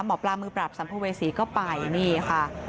หมอปลามือปราบสัมภเวษีก็ไปนี่ค่ะ